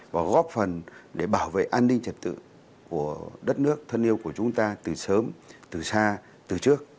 và góp phần để bảo vệ an ninh trật tự của đất nước thân yêu của chúng ta từ sớm từ xa từ trước